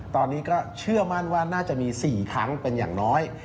ตอนนี้ก็เชื่อมั่นว่าน่าจะมี๔ครั้งเป็นอย่างน้อย